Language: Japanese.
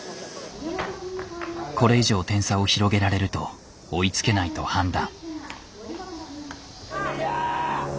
これ以上点差を広げられると追いつけないと判断。